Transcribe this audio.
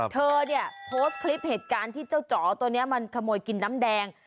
เธอเนี่ยโพสต์คลิปเหตุการณ์ที่เจ้าจ๋อตัวนี้มันขโมยกินน้ำแดง